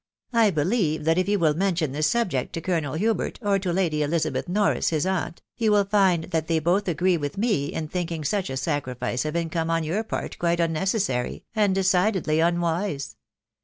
..." I believe that if you will mention the subject to Colonel Hubert, or to Lady Elizabeth Norris, his aunt, you will find that they both agree with me in thinking such a sacrifice of income on your part quite unnecessary, and decidedly unwise.